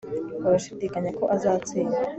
urashidikanya ko azatsinda